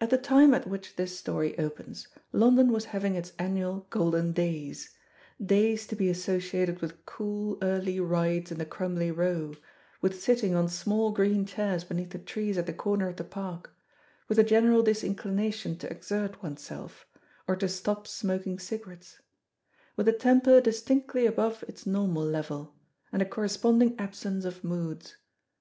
At the time at which this story opens, London was having its annual golden days; days to be associated with cool, early rides in the crumbly Row, with sitting on small, green chairs beneath the trees at the corner of the Park; with a general disinclination to exert oneself, or to stop smoking cigarettes; with a temper distinctly above its normal level, and a corresponding absence of moods.